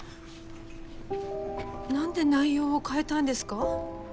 何で内容を変えたんですか？